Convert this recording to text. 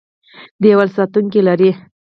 دیوال ساتونکي لري.